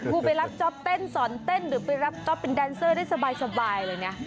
ไปรับจ๊อปเต้นสอนเต้นหรือไปรับจ๊อปเป็นแดนเซอร์ได้สบายเลยนะ